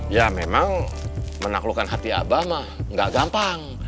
ya memang menaklukkan hati abah mah gak gampang